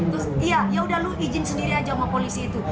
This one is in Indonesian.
terus iya yaudah lu izin sendiri aja sama polisi itu